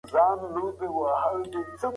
یو ښکلی او تاریخي کور.